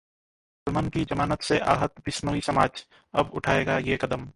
सलमान की जमानत से आहत बिश्नोई समाज, अब उठाएगा ये कदम?